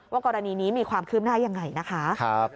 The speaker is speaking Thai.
กรณีนี้มีความคืบหน้ายังไงนะคะ